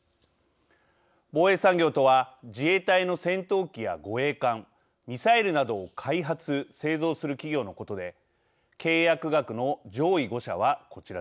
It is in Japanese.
防衛産業とは自衛隊の戦闘機や護衛艦ミサイルなどを開発・製造する企業のことで契約額の上位５社はこちらです。